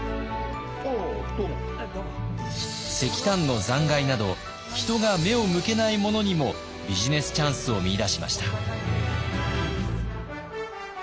石炭の残骸など人が目を向けないものにもビジネスチャンスを見いだしました。